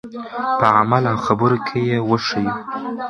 په عمل او خبرو کې یې وښیو.